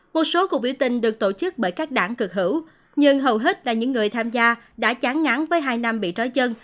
một số cuộc biểu tình được tổ chức bởi các đảng cực hữu nhưng hầu hết là những người tham gia đã chán ngắn với hai năm bị trái chân